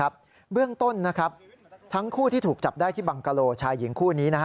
เบื้องต้นทั้งคู่ที่ถูกจับได้ที่บังกะโลชายหญิงคู่นี้